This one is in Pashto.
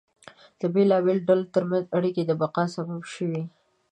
د بېلابېلو ډلو ترمنځ اړیکې د بقا سبب شوې.